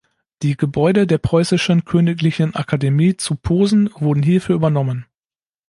Die Gebäude der preußischen Königlichen Akademie zu Posen wurden hierfür übernommen.